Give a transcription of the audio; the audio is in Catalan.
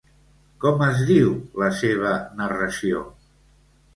Com es diu la seva narració?